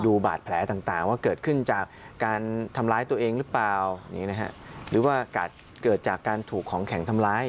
บาดแผลต่างว่าเกิดขึ้นจากการทำร้ายตัวเองหรือเปล่าหรือว่าเกิดจากการถูกของแข็งทำร้าย